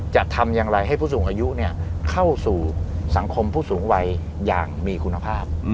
จะทำอย่างไรให้ผู้สูงอายุเข้าสู่สังคมผู้สูงวัยอย่างมีคุณภาพ